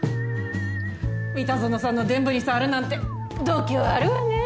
三田園さんの臀部に触るなんて度胸あるわね。